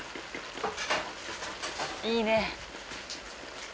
いいね。